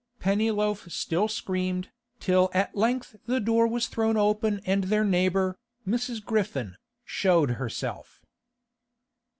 Pennyloaf still screamed, till at length the door was thrown open and their neighbour, Mrs. Griffin, showed herself.